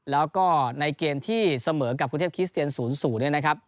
แล้วก็ในเกมที่เสมอกับกรุงเทพคิสเตียน๐๐เนี่ยนะครับ